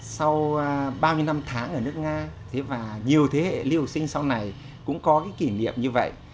sau bao nhiêu năm tháng ở nước nga và nhiều thế hệ liều sinh sau này cũng có cái kỷ niệm như vậy